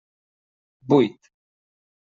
Buit.